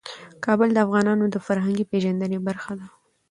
کابل د افغانانو د فرهنګي پیژندنې برخه ده.